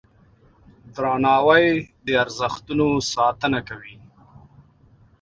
درناوی د ارزښتونو ساتنه کوي.